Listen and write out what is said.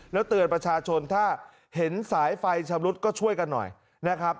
แล้วเตือนประชาชนถ้าเห็นสายไฟชำรุดก็ช่วยกันหน่อยนะครับ